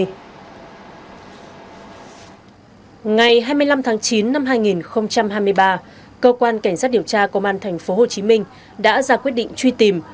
ngày hai mươi năm tháng chín năm hai nghìn hai mươi ba cơ quan cảnh sát điều tra công an tp hcm đã ra quyết định truy tìm